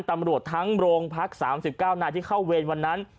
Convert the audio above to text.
ตำรวจทั้งโรงพัก๓๙นายที่เข้าเวรวันนั้น